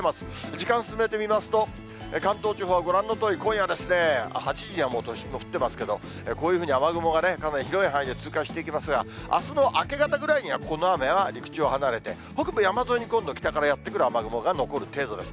時間進めてみますと、関東地方はご覧のとおり、今夜ですね、８時にはもう都心も降っていますけれども、こういうふうに雨雲がかなり広い範囲で通過していきますが、あすの明け方ぐらいには、この雨は陸地を離れて、北部山沿いに今度、北からやって来る雨雲が残る程度です。